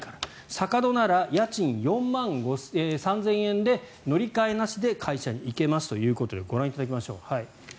坂戸なら家賃４万３０００円で乗り換えなしで会社に行けますということでご覧いただきましょう。